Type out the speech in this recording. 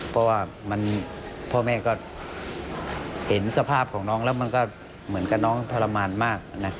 เพราะว่าพ่อแม่ก็เห็นสภาพของน้องแล้วมันก็เหมือนกับน้องทรมานมาก